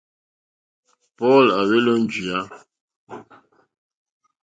Paul à hwélō njìyá.